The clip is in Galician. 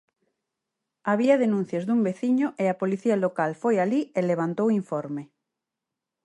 Había denuncias dun veciño e a Policía Local foi alí e levantou informe.